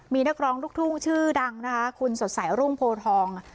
มีนักร้องลูกทุ่งชื่อดังนะคะคุณสดใสรุ่งโพทอง